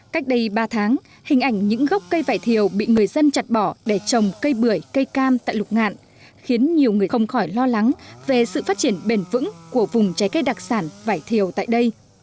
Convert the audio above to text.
cách đây ba tháng hình ảnh những gốc cây vải thiều bị người dân chặt bỏ để trồng cây bưởi cây cam tại lục ngạn khiến nhiều người không khỏi lo lắng về sự phát triển bền vững của vùng trái cây đặc sản vải thiều tại đây